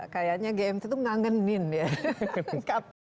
kayaknya gmt itu mengangenin ya lengkap